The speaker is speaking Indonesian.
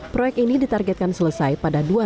proyek ini ditargetkan selesai pada dua ribu sembilan belas